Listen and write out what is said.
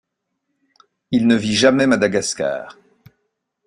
Il ne vit jamais Madagascar.